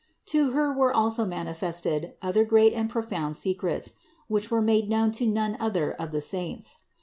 To Her were also manifested other great and profound secrets, which were made known to none other of the saints.